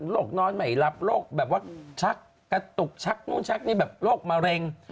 นอนไม่หลับโรคแบบว่าชักกระตุกชักนู่นชักนี่แบบโรคมะเร็ง